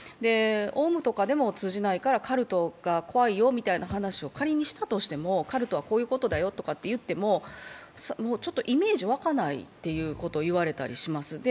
オウムとかでも通じないからカルトとかは怖いよという話を仮にしたとしても、カルトはこういうことだよと言ったりしてもイメージ湧かないっていうことを言われたりします。